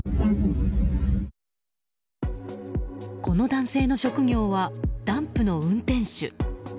この男性の職業はダンプの運転手。